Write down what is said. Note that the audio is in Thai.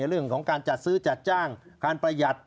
เรื่องของการจัดซื้อจัดจ้างการประหยัด